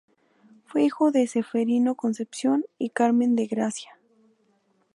Fue hijo de Ceferino Concepción y Carmen de Gracia.